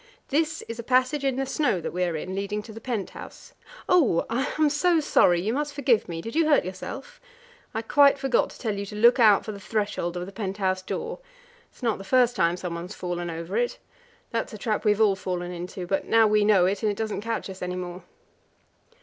This is a passage in the snow that we are in, leading to the pent house. Oh! I'm so sorry; you must forgive me! Did you hurt yourself? I quite forgot to tell you to look out for the threshold of the pent house door. It is not the first time someone has fallen over it. That's a trap we have all fallen into; but now we know it, and it doesn't catch us any more.